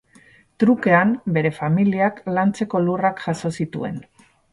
Trukean, bere familiak lantzeko lurrak jaso zituen.